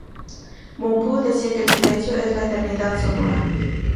Mompou decía que el silencio es la eternidad sonora.